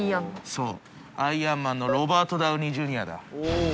そう、アイアンマンのロバート・ダウニー・Ｊｒ．だ。